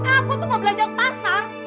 aku tuh mau belajar pasar